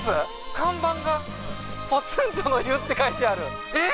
看板が「ポツンとの湯」って書いてあるえっ？